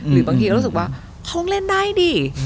หรือบางทีก็รู้สึกว่าเขาเล่นได้ดิ